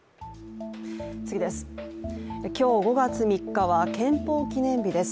今日５月３日は憲法記念日です。